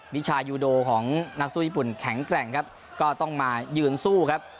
วิชายูโดของนักสู้ญี่ปุ่นแข็งแกร่งครับก็ต้องมายืนสู้ครับ